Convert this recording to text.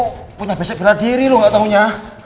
pokoknya abis itu berada diri loh gak taunya